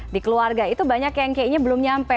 di keluarga itu banyak yang kayaknya belum nyampe